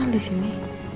mas al di sini